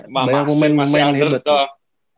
banyak yang main masih underdog